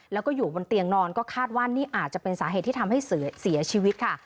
แล้วก็อยู่บนเตียงนอนก็คาดว่านี่อาจจะเป็นสาเหตุที่ทำให้เสียชีวิตค่ะ